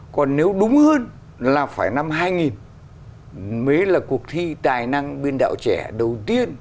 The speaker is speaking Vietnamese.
còn nếu đúng hơn là phải năm hai nghìn mới là cuộc thi tài năng biên đạo trẻ đầu tiên